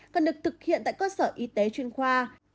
cần được thực hiện tại cơ sở y tế chuyên khoa